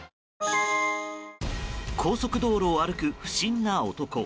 高速道路を歩く不審な男。